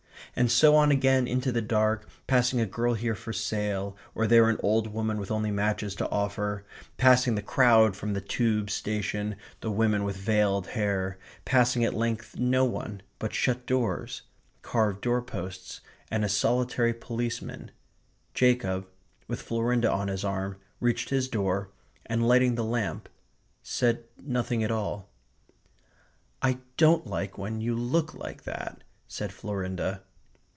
And so on again into the dark, passing a girl here for sale, or there an old woman with only matches to offer, passing the crowd from the Tube station, the women with veiled hair, passing at length no one but shut doors, carved door posts, and a solitary policeman, Jacob, with Florinda on his arm, reached his room and, lighting the lamp, said nothing at all. "I don't like you when you look like that," said Florinda.